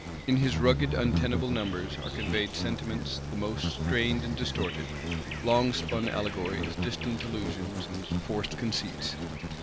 In his rugged untenable numbers are conveyed sentiments the most strained and distorted; long spun allegories, distant allusions, and forced conceits.